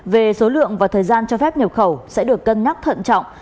về số lượng và thời gian cho phép nhập khẩu sẽ được cân nhắc thận trọng